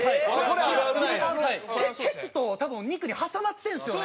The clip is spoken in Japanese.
ケツと多分肉に挟まってるんですよね。